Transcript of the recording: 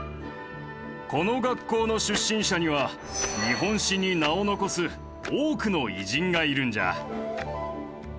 この学校の出身者には日本史に名を残す多くの偉人がいるんじゃ。